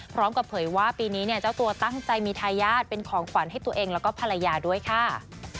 เผยว่าปีนี้เนี่ยเจ้าตัวตั้งใจมีทายาทเป็นของขวัญให้ตัวเองแล้วก็ภรรยาด้วยค่ะ